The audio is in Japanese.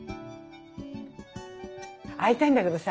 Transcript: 会いたいんだけどさ